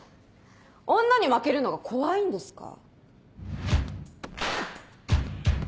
女に負けるのが怖いんですか？